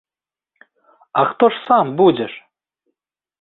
А хто ж сам будзеш?